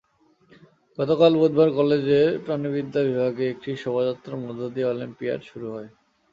গতকাল বুধবার কলেজের প্রাণিবিদ্যা বিভাগে একটি শোভাযাত্রার মধ্য দিয়ে অলিম্পিয়াড শুরু হয়।